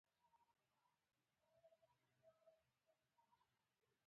ورور ستا غوره مشوره وي.